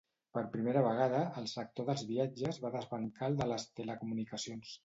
Per primera vegada, el sector dels viatges va desbancar el de les telecomunicacions.